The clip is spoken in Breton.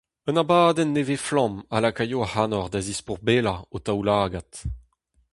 Un abadenn nevez-flamm a lakaio ac'hanoc'h da zispourbellañ ho taoulagad.